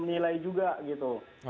nilai juga gitu